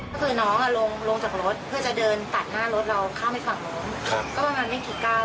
ก็คือน้องอ่ะลงลงจากรถเพื่อจะเดินตัดหน้ารถเราข้ามไปฝั่งนู้นก็ประมาณไม่กี่ก้าว